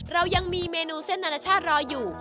เรายังมีเมนูเส้นนานาชาติรออยู่